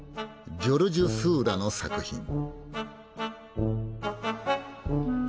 ジョルジュ・スーラの作品。